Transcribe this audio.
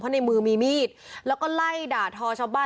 ในมือมีมีดแล้วก็ไล่ด่าทอชาวบ้าน